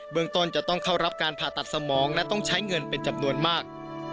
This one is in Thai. เมืองต้นจะต้องเข้ารับการผ่าตัดสมองและต้องใช้เงินเป็นจำนวนมาก